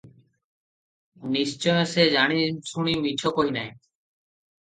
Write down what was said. ନିଶ୍ଚୟ ସେ ଜାଣିଶୁଣି ମିଛ କହି ନାହିଁ ।